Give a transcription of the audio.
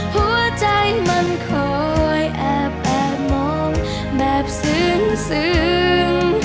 หัวใจมันคอยแอบมองแบบซึ้ง